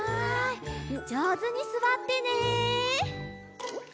じょうずにすわってね！